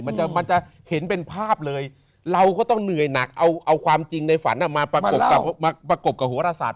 มันจะมันจะเห็นเป็นภาพเลยเราก็ต้องเหนื่อยหนักเอาความจริงในฝันมาประกบกับประกบกับโหรศาส